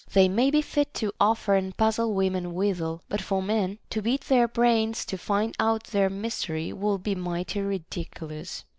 They may be fit to offer and puzzle women withal ; but for men to beat their brains to find out their mystery would be mighty ridiculous.